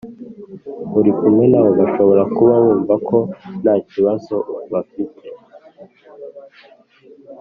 uri kumwe na bo Bashobora kuba bumva ko ntacyibazo bafite